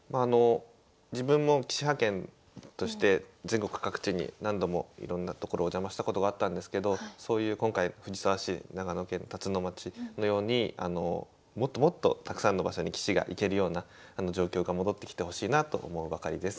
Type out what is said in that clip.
自分も棋士派遣として全国各地に何度もいろんな所お邪魔したことがあったんですけどそういう今回藤沢市長野県辰野町のようにもっともっとたくさんの場所に棋士が行けるような状況が戻ってきてほしいなと思うばかりです。